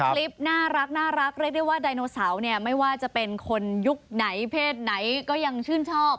คลิปน่ารักเรียกได้ว่าไดโนเสาร์เนี่ยไม่ว่าจะเป็นคนยุคไหนเพศไหนก็ยังชื่นชอบ